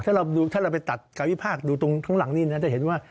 ถ้าเราไปตัดการวิพากษ์ดูตรงข้างหลังนี่นะจะเห็นว่า